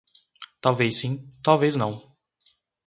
Talvez sim, talvez não.